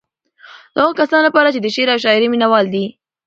د هغو کسانو لپاره چې د شعر او شاعرۍ مينوال دي.